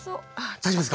大丈夫ですか？